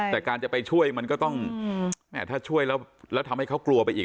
แต่การจะไปช่วยมันก็ต้องถ้าช่วยแล้วทำให้เขากลัวไปอีก